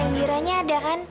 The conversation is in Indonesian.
indiranya ada kan